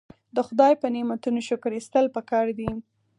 د خدای په نعمتونو شکر ایستل پکار دي.